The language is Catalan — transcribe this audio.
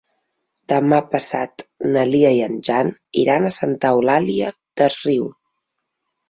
Demà passat na Lia i en Jan iran a Santa Eulària des Riu.